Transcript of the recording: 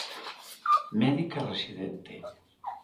Médica residente.